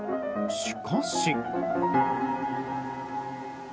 しかし。